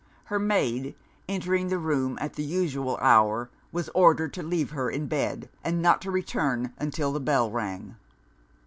Her maid, entering the room at the usual hour, was ordered to leave her in bed, and not to return until the bell rang.